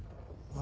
あ？